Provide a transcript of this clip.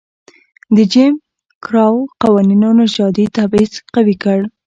د جېم کراو قوانینو نژادي تبعیض قوي کړ.